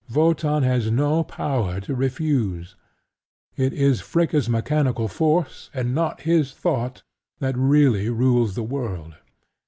Wotan has no power to refuse: it is Fricka's mechanical force, and not his thought, that really rules the world.